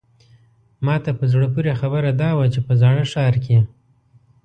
ماته په زړه پورې خبره دا وه چې په زاړه ښار کې.